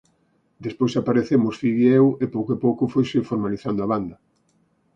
Despois aparecemos Figui e eu... e pouco a pouco foise formalizando a banda.